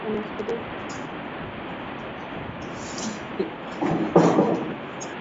ebi shaaban abdallah nakutakia usikivu mwema